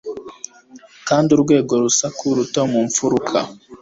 Kandi urwo rusaku ruto mu mfuruka